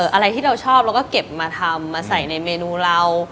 อะไรที่เราชอบเราก็เก็บมาทำมาใส่ในเมนูเรา